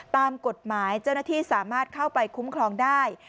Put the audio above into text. ตามกฎหมายเจ้าหน้าที่สามารถเข้าไปคุ้มครองได้